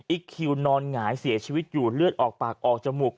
คิวนอนหงายเสียชีวิตอยู่เลือดออกปากออกจมูก